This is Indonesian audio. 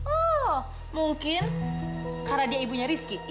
oh mungkin karena dia ibunya rizky